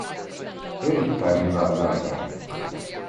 Erittäin hyvää jälkeä.